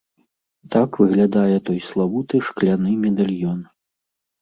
Так выглядае той славуты шкляны медальён.